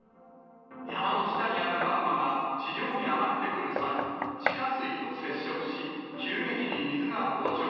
山の下にあるマグマが地上に上がってくる際、地下水と接触し、急激に水が膨張。